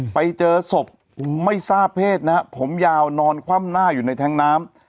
ไปเจอศพไม่ทราบเพศนะครับผมยาวนอนคว่ำหน้าอยู่ในแท้งน้ำ